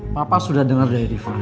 papa sudah denger dari riva